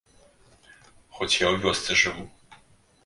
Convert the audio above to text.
Хоць я ў вёсцы жыву.